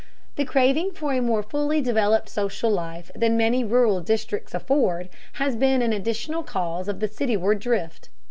The craving for a more fully developed social life than many rural districts afford, has been an additional cause of the cityward drift.